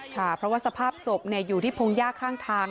ค่ะเพราะว่าสภาพศพเนี่ยอยู่ที่พงศ์ยากข้างทาง